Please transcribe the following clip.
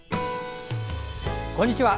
こんにちは。